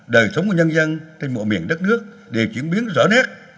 đời sống của nhân dân trên mọi miền đất nước đều chuyển biến rõ nét